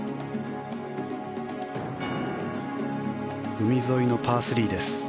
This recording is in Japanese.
海沿いのパー３です。